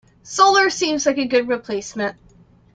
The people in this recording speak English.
Solar seems like a good replacement.